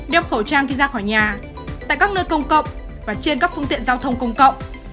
đeo khẩu trang khi ra khỏi nhà tại các nơi công cộng và trên các phương tiện giao thông công cộng